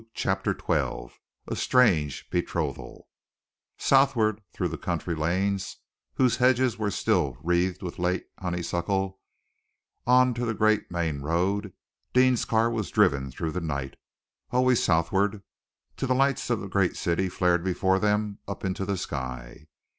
CHAPTER XII A STRANGE BETROTHAL Southward, through the country lanes whose hedges were still wreathed with late honeysuckle, on to the great mainroad, Deane's car was driven through the night, always southward, till the lights of the great city flared before them up into the sky.